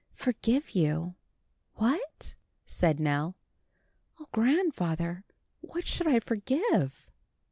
"Forgive you—what?" said Nell. "O grandfather, what should I forgive?"